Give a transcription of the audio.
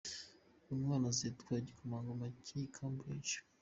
Uyu mwana azitwa igikomangoma cy’i Cambridge.